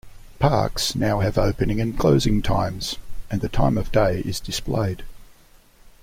Parks now have opening and closing times, and the time of day is displayed.